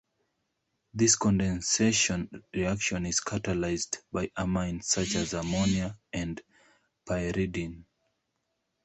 This condensation reaction is catalyzed by amines such as ammonia and pyridine.